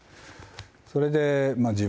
それで自分